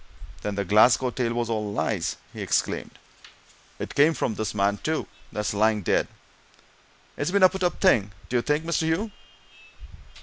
"Then the Glasgow tale was all lies?" he exclaimed. "It came from this man, too, that's lying dead it's been a put up thing, d'ye think, Mr. Hugh?"